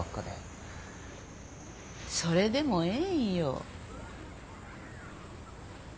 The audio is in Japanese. それでもええんよ。